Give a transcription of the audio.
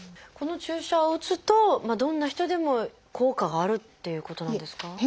この注射を打つとどんな人でも効果があるっていうことなんですか？